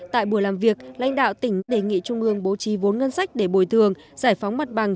tại buổi làm việc lãnh đạo tỉnh đề nghị trung ương bố trí vốn ngân sách để bồi thường giải phóng mặt bằng